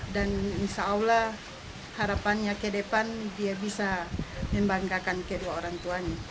dan insya allah harapannya ke depan dia bisa membanggakan kedua orang tuanya